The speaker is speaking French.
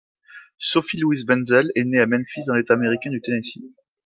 Sophie Louise Wenzel est née à Memphis dans l'État américain du Tennessee.